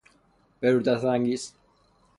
برودت انگیز